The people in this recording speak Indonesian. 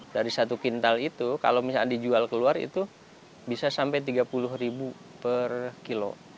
dari satu kintal itu kalau misalnya dijual keluar itu bisa sampai tiga puluh ribu per kilo